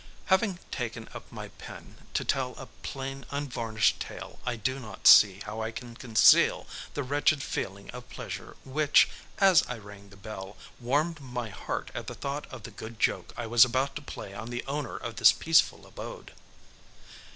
Having taken up my pen to tell a plain unvarnished tale I do not see how I can conceal the wretched feeling of pleasure which, as I rang the bell, warmed my heart at the thought of the good joke I was about to play on the owner of this peaceful abode.